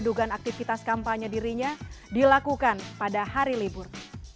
dugaan aktivitas kampanye dirinya dilakukan pada hari libur